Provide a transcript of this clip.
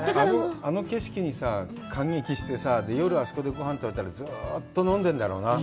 あの景色にさ、感激してさ、夜、あそこでごはんを食べたら、ずうっと飲んでるんだろうなぁ。